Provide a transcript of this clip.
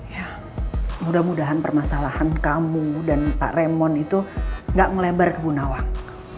ya mudah mudahan permasalahan kamu dan pak raymond itu gak melebar ke bu nawang